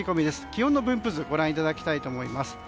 気温の分布図ご覧いただきたいと思います。